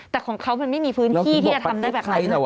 แต่ของเขามันไม่มีพื้นที่ที่จะทำได้แบบนั้นหรอก